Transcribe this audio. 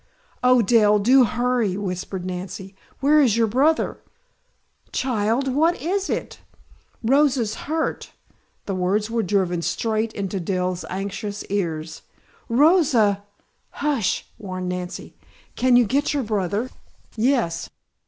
"Oh Dell, do hurry!" whispered Nancy. "Where is your brother?" "Child! What is it?" "Rosa's hurt." The words were driven straight into Dell's anxious ears. "Rosa " "Hush," warned Nancy. "Can you get your brother?" "Yes.